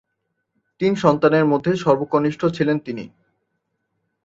তিন সন্তানের মধ্যে সর্বকনিষ্ঠ ছিলেন তিনি।